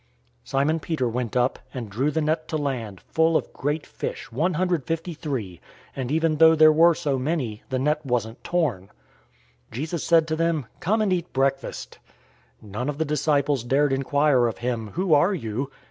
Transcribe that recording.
021:011 Simon Peter went up, and drew the net to land, full of great fish, one hundred fifty three; and even though there were so many, the net wasn't torn. 021:012 Jesus said to them, "Come and eat breakfast." None of the disciples dared inquire of him, "Who are you?"